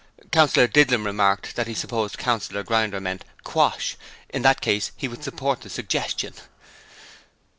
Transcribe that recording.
Councillor Didlum remarked that he supposed Councillor Grinder meant 'quash': in that case, he would support the suggestion.